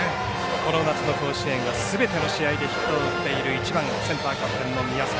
この夏の甲子園すべての試合でヒットを打っている１番センターキャッチャーの宮坂。